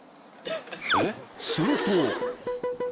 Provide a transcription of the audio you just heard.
［すると］